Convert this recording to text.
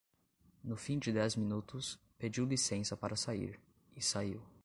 No fim de dez minutos, pediu licença para sair, e saiu.